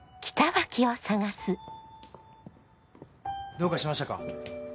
どうかしましたか？